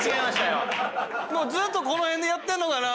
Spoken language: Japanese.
もうずっとこの辺でやってんのかな